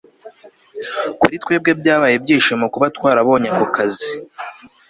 kuri twebwe byabaye ibyishimo kuba twarabonye ako kazi